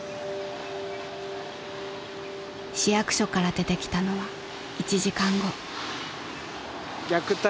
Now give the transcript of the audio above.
［市役所から出てきたのは１時間後］